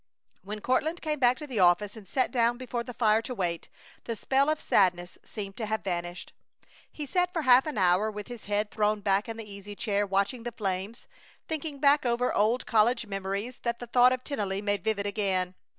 When Courtland came back to the office and sat down before the fire to wait, the spell of sadness seemed to have vanished. He sat for half an hour, with his head thrown back in the easy chair, watching the flames, thinking back over old college memories that the thought of Tennelly made vivid again.